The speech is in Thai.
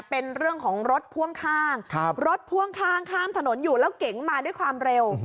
เป็นเรื่องของรถพ่วงข้างรถพ่วงข้างข้ามถนนอยู่แล้วเก๋งมาด้วยความเร็ว